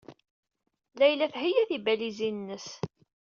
Layla theyya tibalizin-nnes.